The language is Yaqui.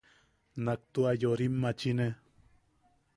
Nak tua yorimachine.